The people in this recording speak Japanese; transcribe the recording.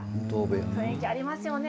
雰囲気ありますよね。